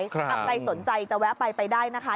ใครสนใจจะแวะไปไปได้นะคะ